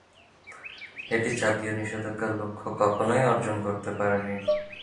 এটি জাতীয় নিষেধাজ্ঞার লক্ষ্য কখনোই অর্জন করতে পারেনি।